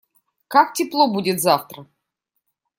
Как тепло будет завтра?